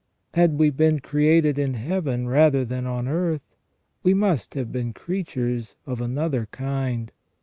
Had we been created in Heaven rather than on earth, we must have been creatures of another kind.